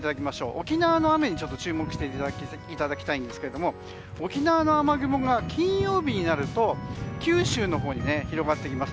沖縄の雨に注目していただきたいんですが沖縄の雨雲が金曜日になると九州のほうに広がってきます。